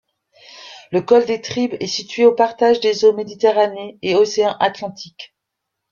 Le col des Tribes est situé au partage des eaux méditerranée et océan atlantique.